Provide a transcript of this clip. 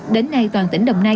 đến nay toàn tỉnh đồng nai